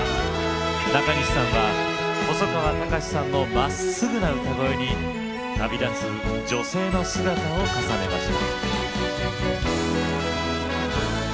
なかにしさんは細川たかしさんのまっすぐな歌声に旅立つ女性の姿を重ねました